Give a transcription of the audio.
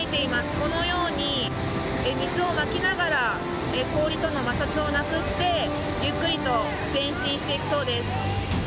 このように水をまきながら氷との摩擦をなくしてゆっくりと前進していくそうです。